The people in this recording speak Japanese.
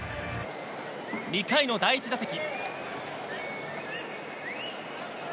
２回の第１打席。